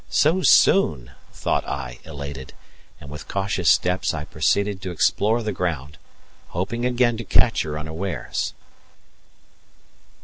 So soon! thought I, elated, and with cautious steps I proceeded to explore the ground, hoping again to catch her unawares.